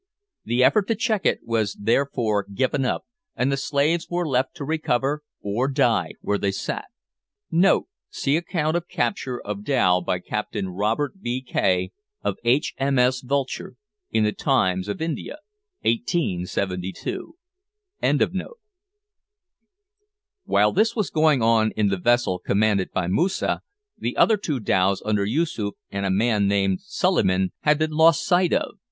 The effort to check it was therefore given up, and the slaves were left to recover or die where they sat. See account of capture of dhow by Captain Robert B. Cay, of H.M.S. "Vulture," in the Times of India, 1872. While this was going on in the vessel commanded by Moosa, the other two dhows under Yoosoof and a man named Suliman had been lost sight of.